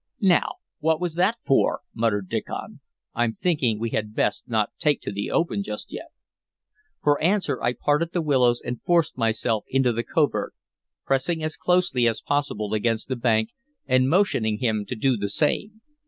"Now what was that for?" muttered Diccon. "I'm thinking we had best not take to the open just yet." For answer I parted the willows, and forced myself into the covert, pressing as closely as possible against the bank, and motioning him to do the same.